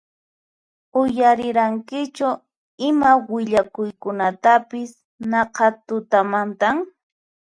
Uyarirankichu ima willakuytapis naqha tutamantan?